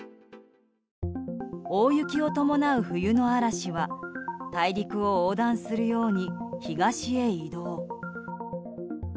大雪を伴う冬の嵐は大陸を横断するように東へ移動。